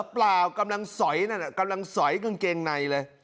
เปล่ากำลังสอยนั่นน่ะกำลังสอยกางเกงในเลย